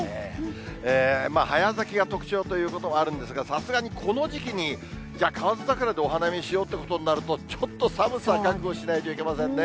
早咲きが特徴ということもあるんですが、さすがにこの時期に、じゃあ、河津桜でお花見しようということになると、ちょっと寒さは覚悟しないといけませんね。